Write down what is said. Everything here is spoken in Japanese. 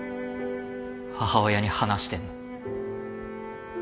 母親に話してんの。